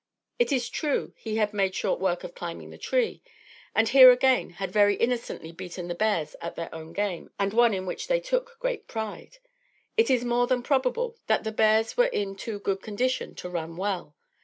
It is true he had made short work of climbing the tree and here again had very innocently beaten the bears at their own game and one in which they took great pride. It is more than probable that the bears were in too good condition to run well.